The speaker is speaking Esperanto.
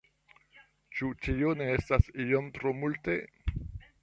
Ĉu tio ne estas iom tro multe?